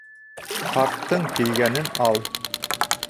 Һарттың кейгәнен ал